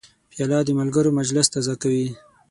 پیاله د ملګرو مجلس تازه کوي.